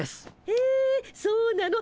へえそうなの？